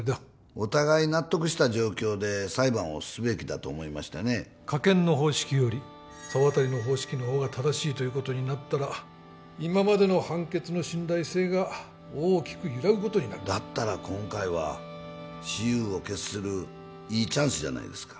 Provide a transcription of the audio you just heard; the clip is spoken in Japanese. お互い納得した状況で裁判をすべきだと思いましてね科検の方式より沢渡の方式の方が正しいということになったら今までの判決の信頼性が大きく揺らぐことになるだったら今回は雌雄を決するいいチャンスじゃないですか